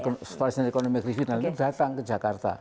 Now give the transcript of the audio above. penelitian ekonomi dan ekonomi datang ke jakarta